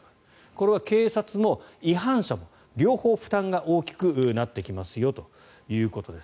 これは警察も違反者も両方負担が大きくなってきますよということです。